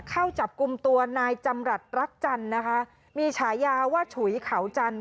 เข้าจับกลุ่มตัวนายจำรัฐรักจันทร์นะคะมีฉายาว่าฉุยเขาจันท